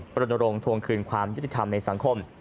รณรงค์ทวงคืนความยุติธรรมในสังคม